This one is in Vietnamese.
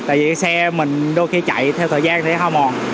tại vì xe mình đôi khi chạy theo thời gian thì hoa mòn